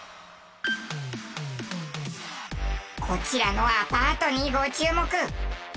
こちらのアパートにご注目。